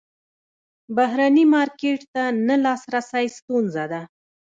بهرني مارکیټ ته نه لاسرسی ستونزه ده.